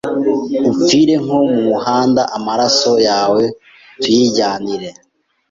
upfire nko mu muhanda amaraso yawe tuyijyanire,